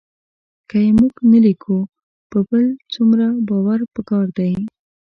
که یې موږ نه لیکو په بل څومره باور پکار دی